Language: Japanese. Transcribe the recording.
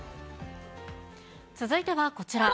続いてはこちら。